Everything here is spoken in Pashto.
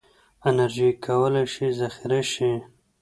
انرژي کولی شي ذخیره شي.